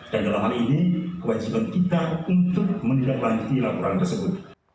dan dalam hal ini kewajiban kita untuk menilai lanjutkan laporan tersebut